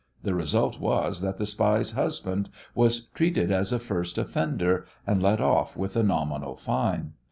The result was that the spy's husband was treated as a first offender, and let off with a nominal fine.